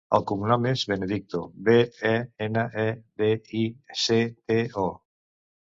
El cognom és Benedicto: be, e, ena, e, de, i, ce, te, o.